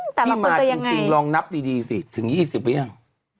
แต่ละคนจะยังไงที่มาจริงจริงลองนับดีดีสิถึงยี่สิบหรือยัง